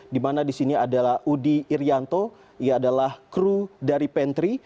di mana di sini adalah udi irianto ia adalah kru dari pentri